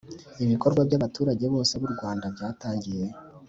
ibikorwa byabaturage bose b u Rwanda byatangiye